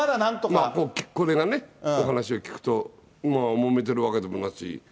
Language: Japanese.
聞こえがね、お話を聞くともめてるわけでもなし。